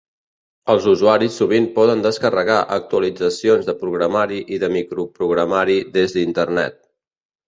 Els usuaris sovint poden descarregar actualitzacions de programari i de microprogramari des d'Internet.